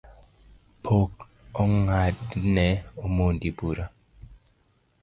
Pok ong’adne omondi Bura